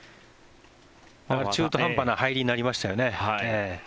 中途半端な入りになりましたよね。